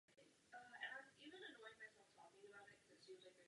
V pozemním vysílání je dostupná pouze na Slovensku.